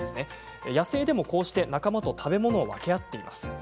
野生でもこうして仲間と食べ物を分け合っています。